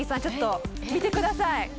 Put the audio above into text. ちょっと見てください。